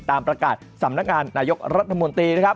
ตามประกาศสำนักงานนายกรัฐมนตรีนะครับ